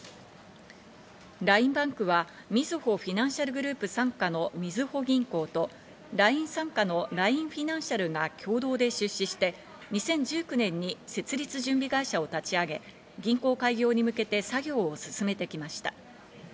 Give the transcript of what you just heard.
ＬＩＮＥＢａｎｋはみずほフィナンシャルグループ傘下のみずほ銀行と、ＬＩＮＥ傘下のＬＩＮＥフィナンシャルが共同で出資して２０１９年に設立準備会社を立ち上げ、銀行開業に向けて作業を進めてきました。